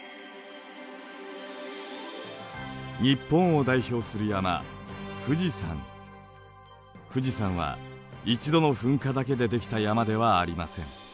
日本を代表する山富士山は一度の噴火だけで出来た山ではありません。